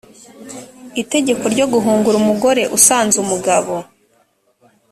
itegeko ryo guhungura umugore usanze umugabo